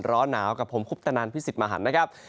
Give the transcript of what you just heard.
ร้อนหนาวกับผมคุปตนันพิสิทธิ์มหันต์นะครับ